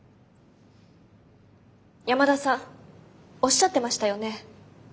山田さんおっしゃってましたよね？